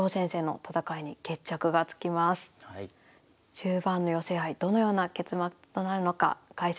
終盤の寄せ合いどのような結末となるのか解説